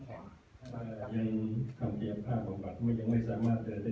ภาพต้องใช้เครื่องคุยช่วยจึงจะสามารถแก้วทางอาหารสิทธิ์กันด้วย